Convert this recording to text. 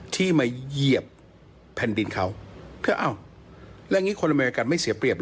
ที่มาเหยียบแผ่นดินเขาก็อ้าวแล้วอย่างนี้คนอเมริกันไม่เสียเปรียบเห